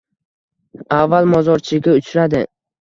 Avval mozorchiga uchradi.